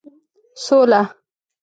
سوله